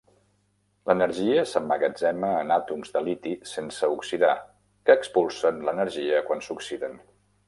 L'energia s'emmagatzema en àtoms de liti sense oxidar que expulsen l'energia quan s'oxiden.